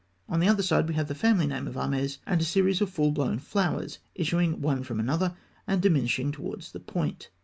On the other side we have the family name of Ahmes and a series of full blown flowers issuing one from another and diminishing towards the point.